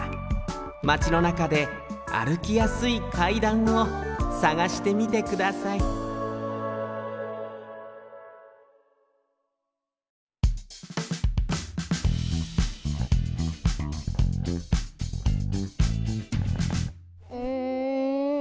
マチのなかであるきやすい階段をさがしてみてくださいうん。